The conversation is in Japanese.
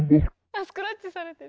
あスクラッチされてる。